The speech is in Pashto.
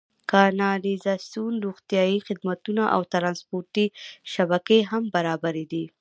کانالیزاسیون، روغتیايي خدمتونه او ټرانسپورتي شبکې هم برابرې دي.